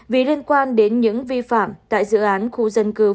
vì liên quan đến những vi phạm tại dự án khu dân cư